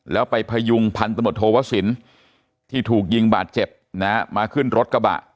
แล้วไปพยุงพันธมตโทวสินที่ถูกยิงบาดเจ็บนะฮะมาขึ้นรถกระบะ